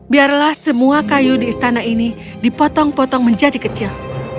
biarlah semua kayu di istana ini dipotong potong menjadi kecil